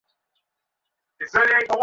ভাবছিলাম, আঃ, ভাবছিলাম একসাথে স্টুডিওতে যাবো।